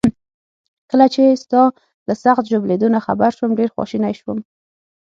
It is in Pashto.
کله چي ستا له سخت ژوبلېدو نه خبر شوم، ډیر خواشینی شوم.